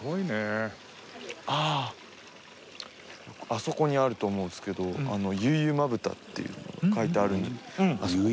あそこにあると思うんですけど「結旨豚」っていうのが書いてあるあそこ。